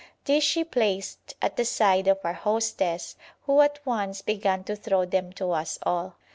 These she placed at the side of our hostess, who at once began to throw them to us all.